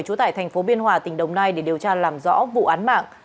trú tại thành phố biên hòa tỉnh đồng nai để điều tra làm rõ vụ án mạng